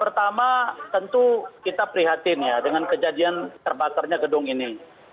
pertama tentu kita prihatin ya dengan kejadian terbakarnya gedung ini